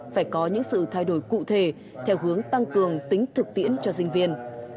phải có những sự thay đổi cụ thể theo hướng tăng cường tính thực tiễn cho sinh viên